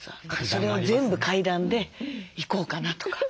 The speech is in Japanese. それを全部階段で行こうかなとか。